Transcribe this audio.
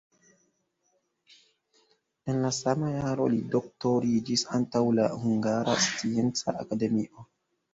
En la sama jaro li doktoriĝis antaŭ la Hungara Scienca Akademio.